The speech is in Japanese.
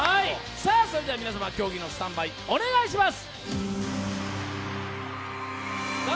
それでは皆様、競技のスタンバイお願いします。